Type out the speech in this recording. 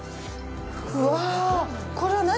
うわあ、これは何？